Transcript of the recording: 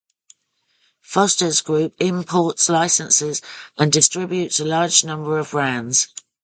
Foster's Group imports, licenses, and distributes a large number of brands.